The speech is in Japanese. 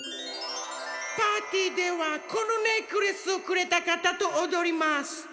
パーティーではこのネックレスをくれたかたとおどります。